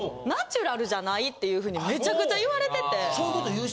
ナチュラルじゃないっていうふうにめちゃくちゃ言われてて。